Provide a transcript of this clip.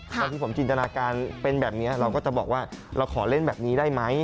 ตอนที่ผมจินตนาการเป็นแบบนี้เราก็จะบอกว่าเราขอเล่นแบบนี้ได้ไหม